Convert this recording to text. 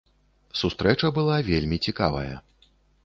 Сустрэча была вельмі цікавая.